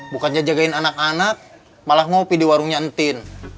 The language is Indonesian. bukannya jagain anak anak malah ngopi di warung nyantin